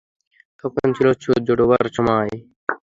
তখন ছিল সূর্য ডোবার সময়।